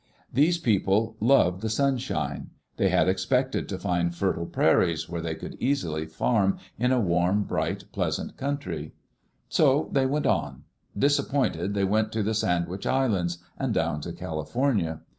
These people loved the sunshine. Digitized by CjOOQ IC EARLY DAYS IN OLD OREGON [They had expected to find fertile prairies where they could easily farm in a warm, bright, pleasant country. So they went on. Disappointed, they went to the Sand wich Islands and down to California.